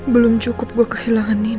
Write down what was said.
belum cukup gue kehilangan ini